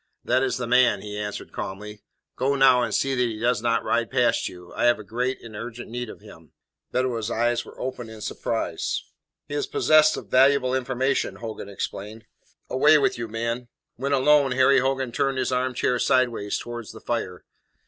"That is the man," he answered calmly. "Go now, and see that he does not ride past you. I have great and urgent need of him." Beddoes' eyes were opened in surprise. "He is possessed of valuable information," Hogan explained. "Away with you, man." When alone, Harry Hogan turned his arm chair sideways towards the fire.